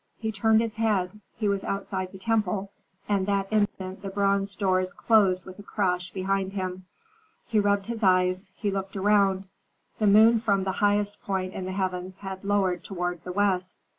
He turned his head he was outside the temple, and that instant the bronze doors closed with a crash behind him. He rubbed his eyes, he looked around. The moon from the highest point in the heavens had lowered toward the west.